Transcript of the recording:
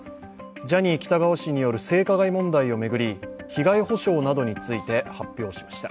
ジャニー喜多川氏による性加害問題を巡り被害補償などについて発表しました。